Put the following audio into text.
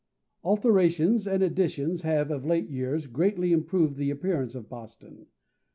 Alterations and additions have of late years greatly improved the appearance of Boston.